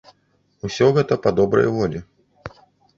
Усё гэта па добрай волі.